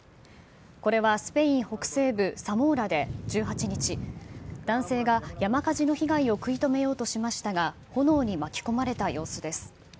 これはスペイン北西部サモーラで１８日、男性が山火事の被害を食い止めようとしましたが、炎に巻き込まれた様子です。